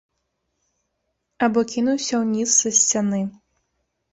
Або кінуўся ўніз са сцяны.